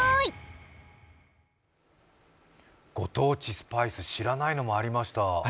スパイス知らないのもありました。